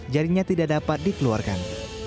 jarinya tidak dapat dikeluarkan